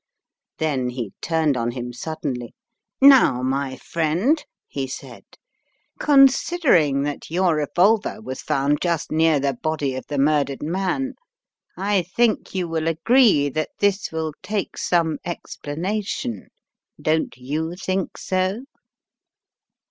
Then he turned on him suddenly. "Now, my friend," he said, "considering that your revolver was found just near the body of the murdered man I think you will agree that this will take some explanation. Don't you think so?"